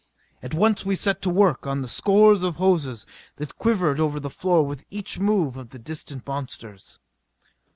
At once we set to work on the scores of hoses that quivered over the floor with each move of the distant monsters.